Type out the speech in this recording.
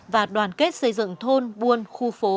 và đoàn kết xây dựng thôn buôn khu phố